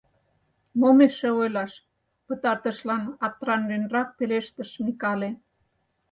— Мом эше ойлаш? — пытартышлан аптраненрак пелештыш Микале.